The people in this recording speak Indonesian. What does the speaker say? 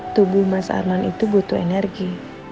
tubuh mas arman itu butuh energi